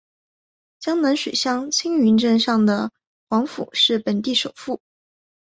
江南水乡青云镇上的黄府是本地首富。